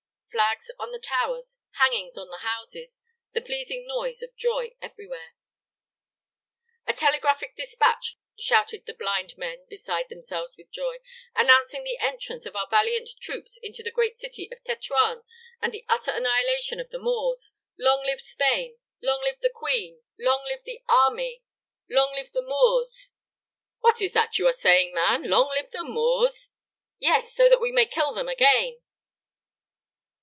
Flags on the towers, hangings on the houses, the pleasing noise of joy everywhere. "A telegraphic despatch," shouted the blind men, beside themselves with joy, "announcing the entrance of our valiant troops into the great city of Tetuan, and the utter annihilation of the Moors. Long live Spain! Long live the Queen! Long live the army! Long live the Moors!" "What is that you are saying, man? Long live the Moors?" "Yes, so that we may kill them again!"